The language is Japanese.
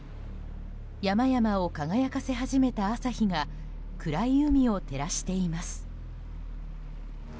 山々を輝かせ始めた朝日が暗い海を照らしています。